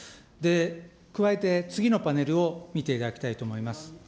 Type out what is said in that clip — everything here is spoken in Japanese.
加えて、次のパネルを見ていただきたいと思います。